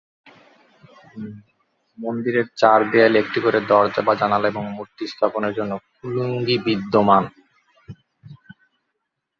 মন্দিরের চার দেওয়ালে একটি করে দরজা বা জানালা এবং মূর্তি স্থাপনের জন্য কুলুঙ্গি বিদ্যমান।